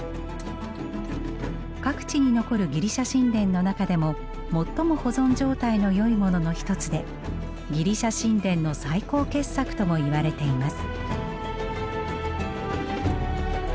各地に残るギリシャ神殿の中でも最も保存状態のよいものの一つでギリシャ神殿の最高傑作とも言われています。